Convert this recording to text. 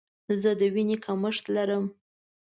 زه د ویني کمښت لرم.